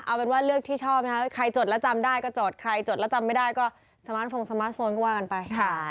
เอาเป็นว่าเลือกที่ชอบนะคะใครจดแล้วจำได้ก็จดใครจดแล้วจำไม่ได้ก็สมาร์ทโฟงสมาร์ทโฟนก็ว่ากันไป